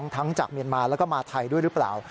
จากเมียนมาแล้วก็มาไทยด้วยหรือเปล่า